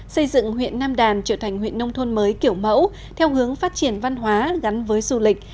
xây dựng huyện nam đàn trở thành huyện nông thôn mới kiểu mẫu theo hướng phát triển văn hóa gắn với du lịch